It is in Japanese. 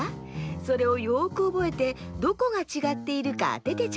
それをよくおぼえてどこがちがっているかあててちょうだい。